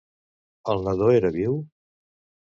El nadó era viu?